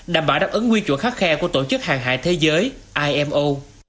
đảm bảo đáp ứng quy chuẩn khắc khe của tổ chức hàng hải thế giới imo